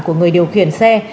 của người điều khiển xe